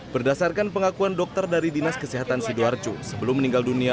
berdasarkan pengakuan dokter dari dinas kesehatan sidoarjo sebelum meninggal dunia